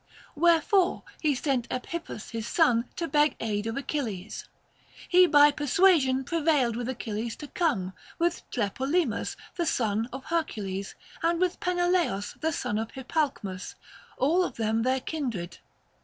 Wherefore he sent Ephippus his son to beg aid of Achilles. He by persuasion prevailed with Achilles to come, with Tlepolemus the son of Her cules, and with Peneleos the son of Hippalcmus, all of them their kindred.